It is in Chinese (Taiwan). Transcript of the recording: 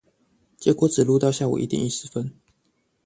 結果只錄到下午一點一十分